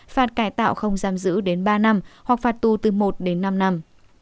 phạt cải tạo không giam giữ đến ba năm hoặc phạt tu từ một năm năm